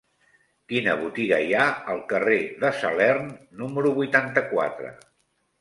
Quina botiga hi ha al carrer de Salern número vuitanta-quatre?